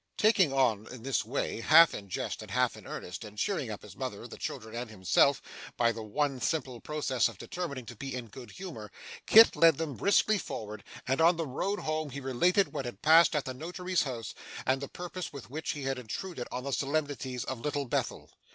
Talking on in this way, half in jest and half in earnest, and cheering up his mother, the children, and himself, by the one simple process of determining to be in a good humour, Kit led them briskly forward; and on the road home, he related what had passed at the Notary's house, and the purpose with which he had intruded on the solemnities of Little Bethel.